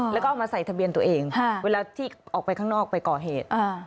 แล้วก็เอามาใส่ทะเบียนตัวเองเวลาที่ออกไปข้างนอกไปก่อเหตุ